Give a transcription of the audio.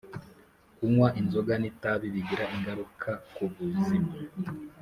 kunywa inzoga ni tabi bigira ingaruka ku ubuzima